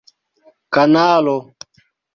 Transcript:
kanalo